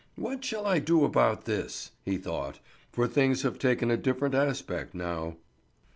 "What shall I do about this?" he thought. "For things have taken a different aspect now."